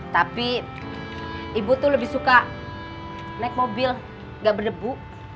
tapi ibu tuh lebih suka naik mobil nggak berdebu